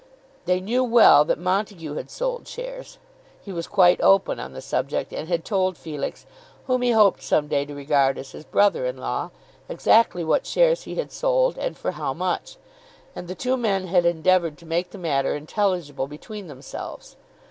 They knew well that Montague had sold shares. He was quite open on the subject, and had told Felix, whom he hoped some day to regard as his brother in law, exactly what shares he had sold, and for how much; and the two men had endeavoured to make the matter intelligible between themselves.